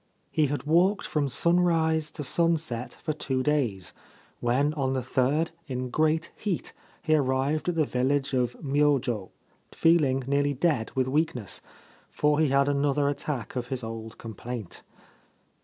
He had walked from sunrise to sunset for two days, when on the third in great heat he arrived at the village of Myojo, feeling nearly dead with weakness, for he had another attack of his old complaint.